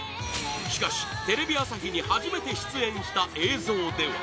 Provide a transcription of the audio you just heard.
しかし、テレビ朝日に初めて出演した映像では